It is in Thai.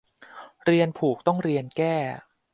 เรียนผูกต้องเรียนแก้